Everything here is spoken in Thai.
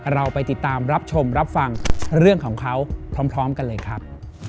เราไปติดตามรับชมรับฟังเรื่องของเขาพร้อมกันเลยครับ